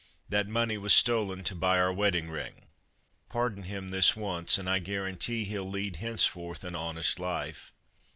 That money was stolen to buy our wedding ring. Pardon him this once and I guarantee he '11 lead henceforth an honest life."